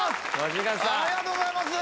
ありがとうございます。